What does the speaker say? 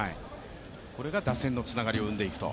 これが打線のつながりを生んでいくと。